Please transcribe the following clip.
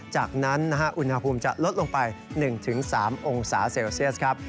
จากนั้นอุณหภูมิจะลดลงไป๑๓องศาเซลเซียสครับ